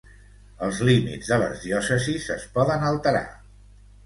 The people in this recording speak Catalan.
Els límits de les diòcesis es poden alterar.